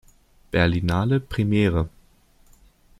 Berlinale Premiere.